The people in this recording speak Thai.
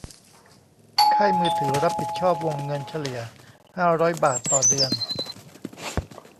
ค่ายมือถือรับผิดชอบวงเงินเฉลี่ยห้าร้อยบาทต่อเดือน